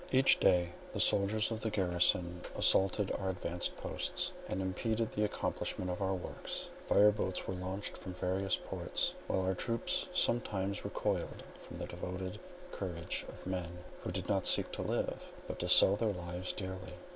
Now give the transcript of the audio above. Each day the soldiers of the garrison assaulted our advanced posts, and impeded the accomplishment of our works. Fire boats were launched from the various ports, while our troops sometimes recoiled from the devoted courage of men who did not seek to live, but to sell their lives dearly.